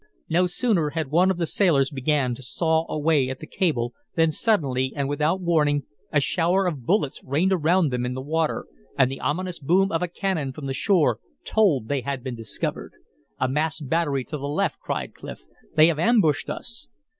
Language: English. No sooner had one of the sailors began to saw away at the cable than suddenly and without warning a shower of bullets rained around them in the water and the ominous boom of a cannon from the shore told they had been discovered. "A masked battery to the left!" cried Clif. "They have ambushed us!"